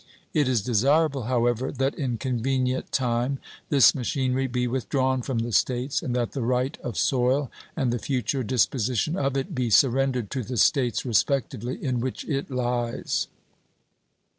It is desirable, however, that in convenient time this machinery be withdrawn from the States, and that the right of soil and the future disposition of it be surrendered to the States respectively in which it lies.